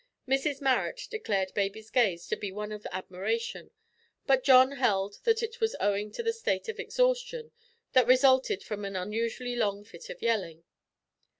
Mrs Marrot declared baby's gaze to be one of admiration, but John held that it was owing to the state of exhaustion that resulted from an unusually long fit of yelling.